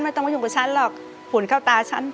ต้องมาอยู่กับฉันหรอกฝุ่นเข้าตาฉัน